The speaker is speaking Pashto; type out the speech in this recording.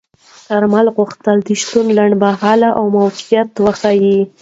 کارمل غوښتل د شتون لنډمهاله او موقت وښيي.